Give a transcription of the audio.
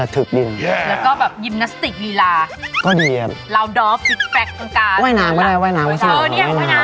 ว่ายน้ำก็ได้ว่ายน้ำไม่ถึงเหรอว่ายน้ำอ๋อนี่ว่ายน้ำ